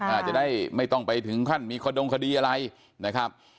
อาจจะได้ไม่ต้องไปถึงขั้นมีขดงคดีอะไรนะครับ